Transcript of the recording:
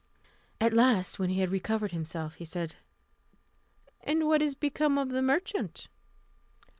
At last, when he had recovered himself, he said, "And what is become of the merchant?"